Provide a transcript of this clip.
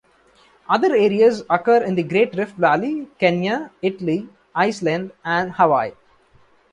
Other areas occur in the Great Rift Valley, Kenya, Italy, Iceland and Hawaii.